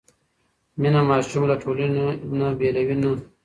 مینه ماشوم له ټولنې نه بېلوي نه.